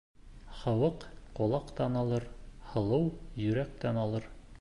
Һыуыҡ ҡолаҡтан алыр, һылыу йөрәктән алыр.